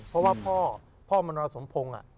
เพราะว่าพ่อพ่อมรสมพงศ์